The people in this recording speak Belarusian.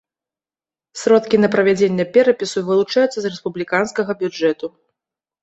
Сродкі на правядзенне перапісу вылучаюцца з рэспубліканскага бюджэту.